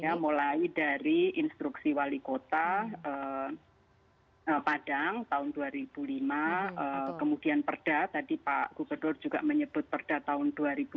ya mulai dari instruksi wali kota padang tahun dua ribu lima kemudian perda tadi pak gubernur juga menyebut perda tahun dua ribu dua puluh